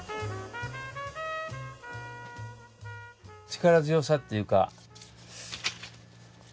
力強さというか。